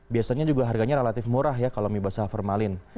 biasanya juga harganya relatif murah ya kalau mie basah formalin